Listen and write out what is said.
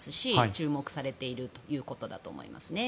注目されているということだと思いますね。